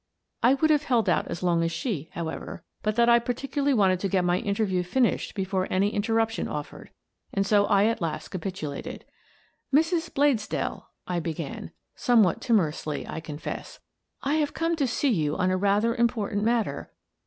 I would have held out as long as she, however, but that I particularly wanted to get my interview finished before any in terruption offered, and so I at last capitulated. " Mrs. Bladesdell," I began, somewhat timor ously, I confess, "I have come to see you on a rather important matter."